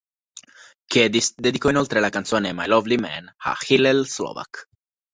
Kiedis dedicò inoltre la canzone "My Lovely Man" a Hillel Slovak.